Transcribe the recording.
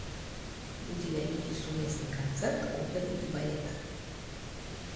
Будзе вялікі сумесны канцэрт оперы і балета.